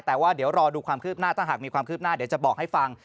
แต่ว่าเดี๋ยวรอดูความคืบหน้าถ้าหากมีความคืบหน้าเดี๋ยวจะบอกให้ฟัง